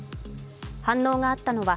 反応があったのは